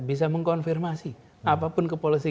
bisa mengkonfirmasi apapun kepolisi